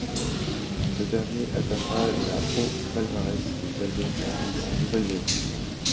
Ce dernier atteindra la au palmarès des albums vendus en Nouvelle-Zélande.